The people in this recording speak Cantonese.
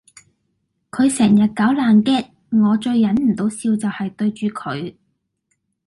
佢成日搞爛 gag 我最忍唔到笑就係對住佢